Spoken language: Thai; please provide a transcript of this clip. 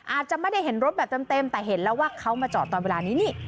อาจจะไม่ได้เห็นรถแบบเต็มแต่เห็นแล้วว่าเขามาจอดตอนเวลานี้นี่